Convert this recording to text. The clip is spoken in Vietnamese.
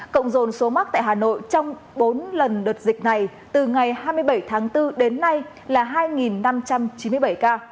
cộng dồn số mắc tại hà nội trong bốn lần đợt dịch này từ ngày hai mươi bảy tháng bốn đến nay là hai năm trăm chín mươi bảy ca